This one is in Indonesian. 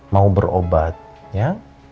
mau berobat ya